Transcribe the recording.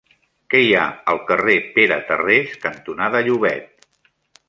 Què hi ha al carrer Pere Tarrés cantonada Llobet?